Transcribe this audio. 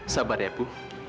sabar ya pu